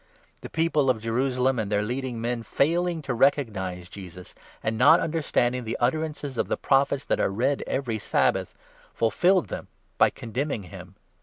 The people of Jerusalem and their leading men, 27 failing to recognize Jesus, and not understanding the utter ances of the Prophets that are read every Sabbath, fulfilled them by condemning him.